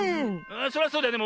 それはそうだよね。